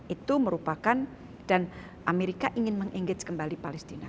itu merupakan dan amerika ingin menganggap kembali palestina